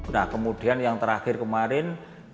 nah kemudian yang terakhir kemarin dua ribu lima belas